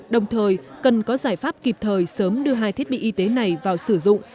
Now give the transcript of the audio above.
đồng thời cần có giải pháp kịp thời sớm đưa hai thiết bị y tế này vào sử dụng